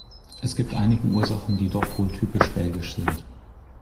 Es gibt einige Ursachen, die doch wohl typisch belgisch sind.